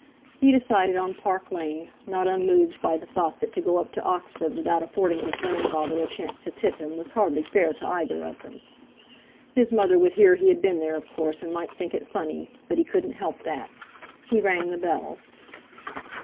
He decided on Park Lane, not unmoved by the thought that to go up to Oxford without affording his grandfather a chance to tip him was hardly fair to either of them. His mother would hear he had been there, of course, and might think it funny; but he couldn't help that. He rang the bell.